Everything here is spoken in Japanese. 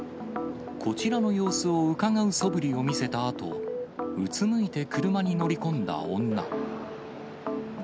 こちらの様子をうかがうそぶりを見せたあと、うつむいて車に乗り込んだ女。